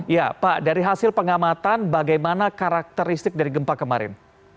ya pak dari hasil pengamatan bagaimana karakteristik dari gempa kemarin